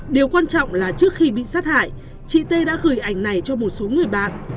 điều quan trọng là trước khi bị sát hại chị tê đã gửi ảnh này cho một số người bạn